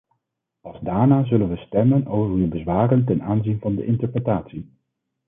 Pas daarna zullen we stemmen over uw bezwaren ten aanzien van de interpretatie.